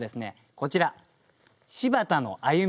こちら「柴田の歩み」。